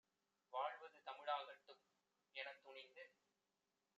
வாழ்வது தமிழாகட்டும்" எனத்துணிந்து